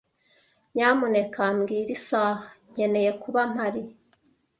Nyamuneka mbwira isaha nkeneye kuba mpari.